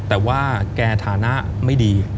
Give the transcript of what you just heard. แต่ว่าแกฐานะไม่ดี